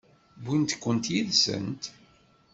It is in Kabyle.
Wwint-kent yid-sent?